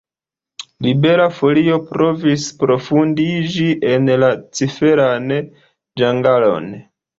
Libera Folio provis profundiĝi en la ciferan ĝangalon.